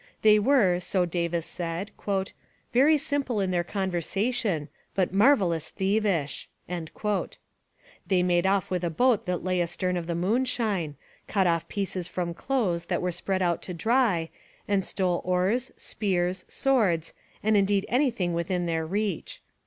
They were, so Davis said, 'very simple in their conversation, but marvellous thievish.' They made off with a boat that lay astern of the Moonshine, cut off pieces from clothes that were spread out to dry, and stole oars, spears, swords, and indeed anything within their reach.